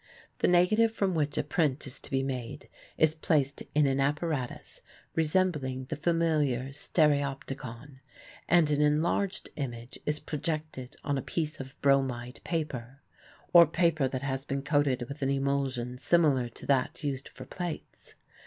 The negative from which a print is to be made is placed in an apparatus resembling the familiar stereopticon and an enlarged image is projected on a piece of bromide paper, or paper that has been coated with an emulsion similar to that used for plates.